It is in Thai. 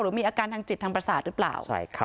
มีอาการทางจิตทางประสาทหรือเปล่า